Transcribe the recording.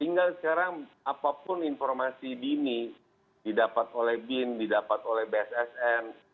tinggal sekarang apapun informasi dini didapat oleh bin didapat oleh bssn